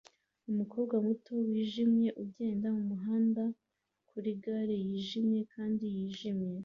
Umukobwa muto wijimye ugenda mumuhanda kuri gare yijimye kandi yijimye